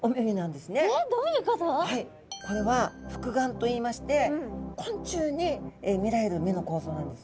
これは複眼といいまして昆虫に見られる目の構造なんですね。